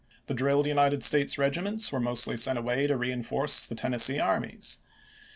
The drilled United States regiments were mostly sent away to reenforce the Tennessee armies.